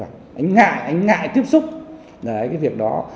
anh ấy ngại anh ấy ngại tiếp xúc cái việc đó